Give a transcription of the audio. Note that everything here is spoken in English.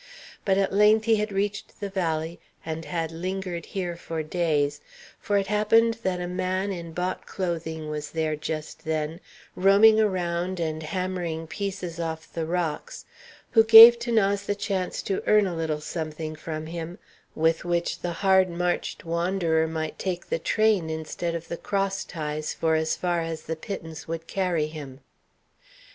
But at length he had reached the valley, and had lingered here for days; for it happened that a man in bought clothing was there just then, roaming around and hammering pieces off the rocks, who gave 'Thanase the chance to earn a little something from him, with which the hard marched wanderer might take the train instead of the cross ties for as far as the pittance would carry him.